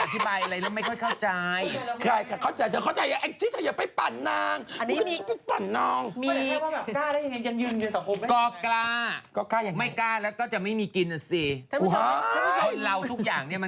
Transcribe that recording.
ทำไมอธิบายอะไรแล้วไม่ค่อยเข้าใจ